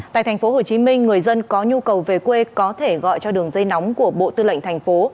tại thành phố hồ chí minh người dân có nhu cầu về quê có thể gọi cho đường dây nóng của bộ tư lệnh thành phố